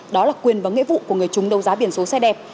đó là quyền và nghĩa vụ của người chúng đấu giá biển số xe đẹp